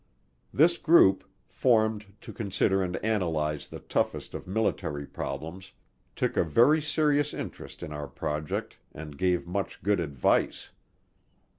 This group, formed to consider and analyze the toughest of military problems, took a very serious interest in our project and gave much good advice.